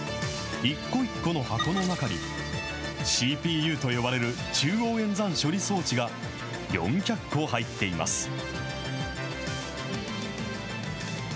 一個一個の箱の中に、ＣＰＵと呼ばれる中央演算処理装置が４００個入っています。